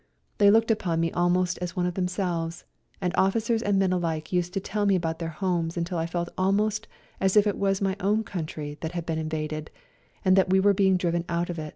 They looked upon me almost as one of themselves, and officers and men alike used to tell me about their homes until I felt almost as if it was my own country that had been invaded, and that we were being driven out of.